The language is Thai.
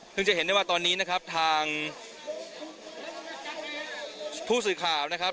ซึ่งจะเห็นได้ว่าตอนนี้นะครับทางผู้สื่อข่าวนะครับ